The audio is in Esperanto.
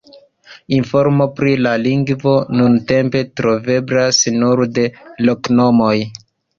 Informo pri la lingvo nuntempe troveblas nur de loknomoj.